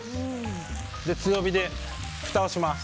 強火でふたをします。